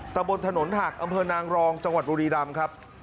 บนถนนหักอำเภอนางรองจังหวัดบุรีรำครับ